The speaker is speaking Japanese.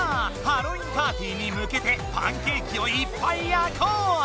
ハロウィーンパーティーにむけてパンケーキをいっぱい焼こう！